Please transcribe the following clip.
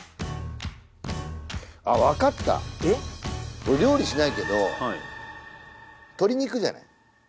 俺料理しないけどはい鶏肉じゃない？